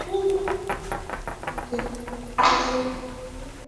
যেটা অন্ধকারে লুকিয়ে আছে।